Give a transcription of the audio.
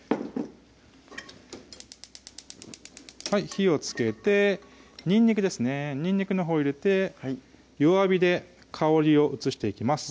火をつけてにんにくですねにんにくのほう入れて弱火で香りを移していきます